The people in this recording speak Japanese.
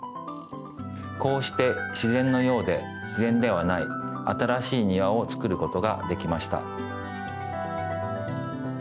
こうして自ぜんのようで自ぜんではないあたらしい庭をつくることができました。